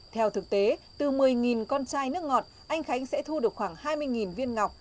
theo thực tế từ một mươi con chai nước ngọt anh khánh sẽ thu được khoảng hai mươi viên ngọc